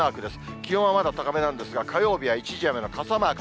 気温はまだ高めなんですが、火曜日は一時雨の傘マーク。